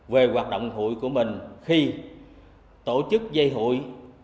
về hoạt động hụi của mình khi tổ chức dây hụi